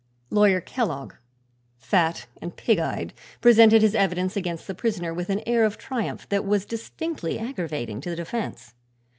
Lawyer Kellogg, fat and pig eyed, presented his evidence against the prisoner with an air of triumph that was distinctly aggravating to the defense.